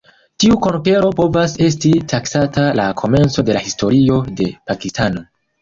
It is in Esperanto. Tiu konkero povas esti taksata la komenco de la historio de Pakistano.